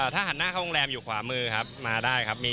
ถ้าหันหน้าเข้าโรงแรมอยู่ขวามือครับมาได้ครับ